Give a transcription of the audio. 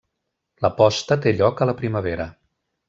La posta té lloc a la primavera.